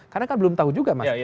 karena kan belum tahu juga mas